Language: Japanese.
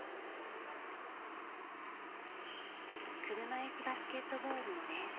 車いすバスケットボールの練習場。